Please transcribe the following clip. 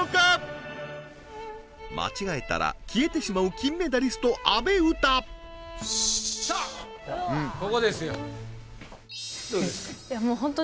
間違えたら消えてしまう金メダリスト阿部詩さあここですよどうですか？